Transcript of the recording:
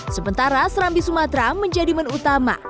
sementara serambi sumatera menjadi menu utama